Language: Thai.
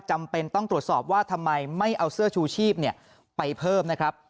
จำเป็นต้องตรวจสอบว่าทำไมไม่เอาเสื้อชูชีพไปเพิ่มนะครับ